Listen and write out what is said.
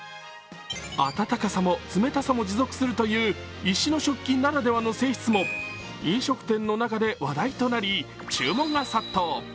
温かさも冷たさも持続するという石の食器ならではの性質も飲食店の中で話題となり、注文が殺到。